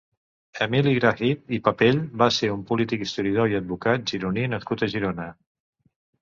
Emili Grahit i Papell va ser un polític, historiador i advocat gironí nascut a Girona.